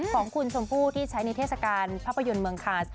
ของคุณชมพู่ที่ใช้ในเทศกาลภาพยนตร์เมืองคาส